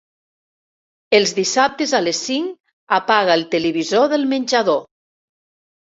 Els dissabtes a les cinc apaga el televisor del menjador.